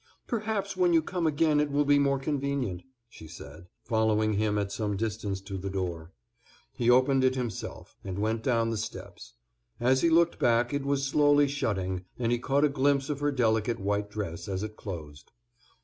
"Perhaps when you come again it will be more convenient," she said, following him at some distance to the door. He opened it himself, and went down the steps; as he looked back it was slowly shutting, and he caught a glimpse of her delicate white dress as it closed.